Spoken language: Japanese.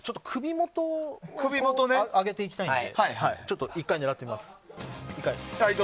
首元を上げていきたいのでちょっと１回狙ってみます。